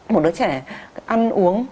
một đứa trẻ ăn uống